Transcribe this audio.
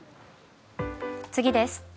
次です。